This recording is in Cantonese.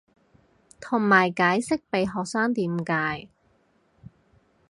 同埋解釋被學生點解